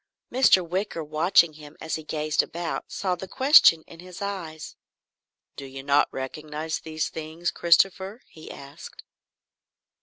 Mr. Wicker, watching him as he gazed about, saw the question in his eyes. "Do you not recognise these things, Christopher?" he asked.